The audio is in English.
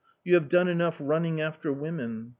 You have done enough running after women."